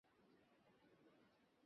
গলা কেটে মেরে ফেল ওকে।